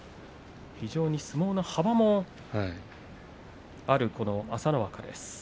相撲の幅もある朝乃若です